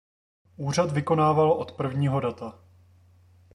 Úřad vykonával od prvního data.